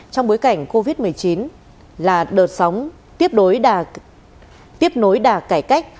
trong bối cảnh covid một mươi chín là đợt sóng tiếp nối đạt cải cách